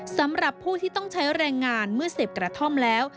สำหรับผู้ที่ต้องใช้แรงงานเมื่อเสพกระท่อมแล้ว